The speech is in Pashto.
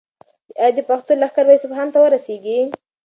ایا د پښتنو لښکر به اصفهان ته ورسیږي؟